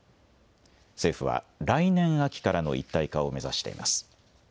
政府は、来年秋からの一体化を目指しています。